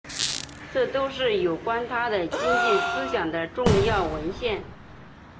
这都是有关他的经济思想的重要文献。